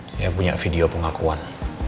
saya punya video pengakuan